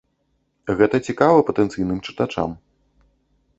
Гэта цікава патэнцыйным чытачам.